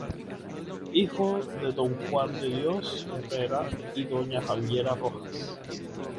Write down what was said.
Hijo de don Juan de Dios Herrera y doña Javiera Rojas.